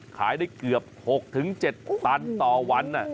ขายได้เกือบ๖๗ตันต่อวัน